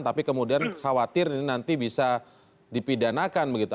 tapi kemudian khawatir ini nanti bisa dipidanakan begitu